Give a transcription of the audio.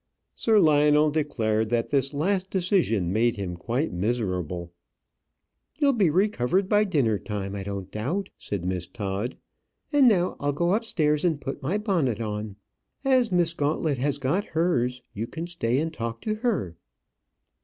Sir Lionel declared that this last decision made him quite miserable. "You'll be recovered by dinner time, I don't doubt," said Miss Todd. "And now I'll go upstairs and put my bonnet on. As Miss Gauntlet has got hers, you can stay and talk to her."